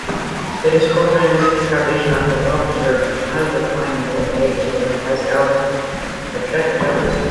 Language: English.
The discovery and excavation of the well-preserved, highly refined mosaics has helped attract tourists.